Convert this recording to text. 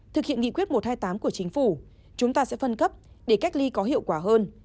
thực hiện nghị quyết một trăm hai mươi tám của chính phủ chúng ta sẽ phân cấp để cách ly có hiệu quả hơn